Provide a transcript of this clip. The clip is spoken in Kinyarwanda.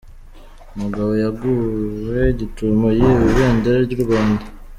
Umugabo yaguwe gitumo yiba ibendera ry’u Rwanda